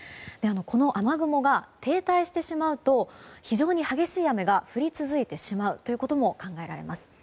この雨雲が停滞してしまうと非常に激しい雨が降り続いてしまうということも考えられます。